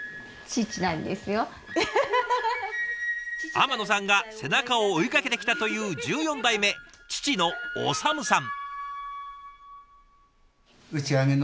天野さんが背中を追いかけてきたという１４代目父の修さん。